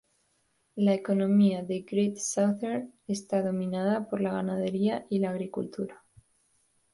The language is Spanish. La economía de Great Southern está dominada por la ganadería y la agricultura.